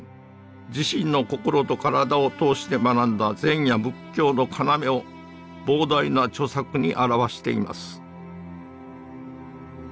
自身の心と体を通して学んだ禅や仏教の要を膨大な著作に著しています